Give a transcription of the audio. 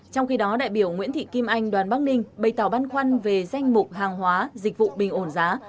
trong khi đó đại biểu nguyễn thị kim anh đoàn bắc ninh bày tỏ băn khoăn về danh mục hàng hóa dịch vụ bình ổn giá